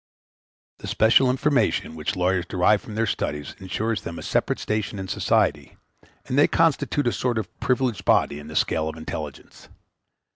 The special information which lawyers derive from their studies ensures them a separate station in society, and they constitute a sort of privileged body in the scale of intelligence.